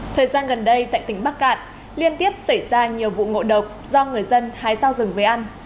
thời gian gần đây tại tỉnh bắc cạn liên tiếp xảy ra nhiều vụ ngộ độc do người dân hái giao rừng về ăn